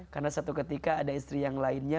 karena satu ketika ada istri yang lainnya